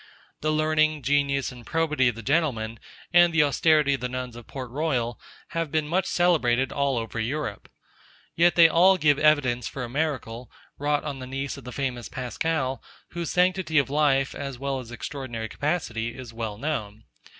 The learning, genius, and probity of the gentlemen, and the austerity of the nuns of Port Royal, have been much celebrated all over Europe. Yet they all give evidence for a miracle, wrought on the niece of the famous Pascal, whose sanctity of life, as well as extraordinary capacity, is well known.